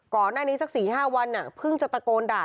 ก่อนหน้านี้สัก๔๕วันเพิ่งจะตะโกนด่า